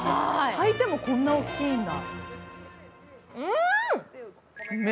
炊いてもこんなに大きいんだ。